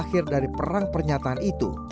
akhir dari perang pernyataan itu